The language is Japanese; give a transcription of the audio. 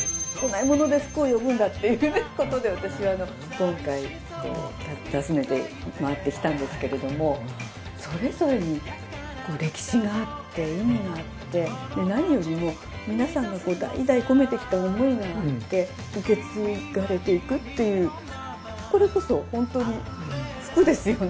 ということで私は今回訪ねて回ってきたんですけれどもそれぞれに歴史があって意味があって何よりも皆さんが代々込めてきた思いがあって受け継がれていくっていうこれこそ本当の「福」ですよね。